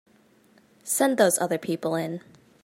Send those other people in.